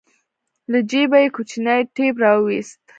له جيبه يې کوچنى ټېپ راوايست.